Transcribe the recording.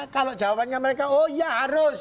kalau jawabannya mereka oh iya harus